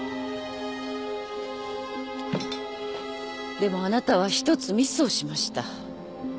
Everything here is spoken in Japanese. でもあなたは１つミスをしました。